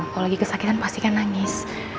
kalau lagi kesakitan pasti kan nangis